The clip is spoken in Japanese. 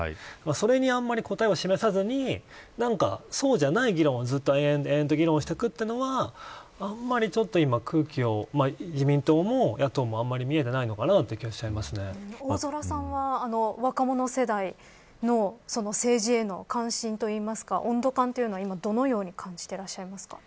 それにあまり答えを示さずにそうじゃない議論を延々と議論していくというのはあんまり空気が自民党も野党も、あんまり見えていないのかなという大空さんは若者世代の政治への関心と言いますか温度感というのはどのように感じていますか。